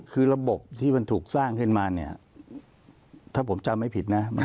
คือระบบที่มันถูกสร้างขึ้นมาเนี่ยถ้าผมจำไม่ผิดนะ